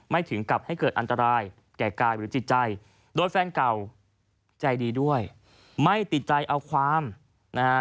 ถึงกับให้เกิดอันตรายแก่กายหรือจิตใจโดยแฟนเก่าใจดีด้วยไม่ติดใจเอาความนะฮะ